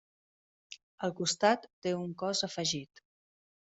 Al costat té un cos afegit.